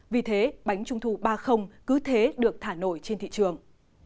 vì thế bánh trung thu ba cứ thế được thả nổi trên thị trường